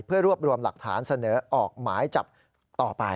เพื่อรวบรวมหลักฐานเสนอออกหมายจับต่อไป